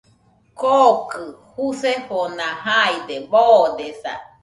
Kokɨ jusefona jaide boodesa.